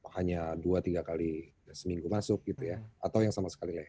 hanya dua tiga kali seminggu masuk gitu ya atau yang sama sekali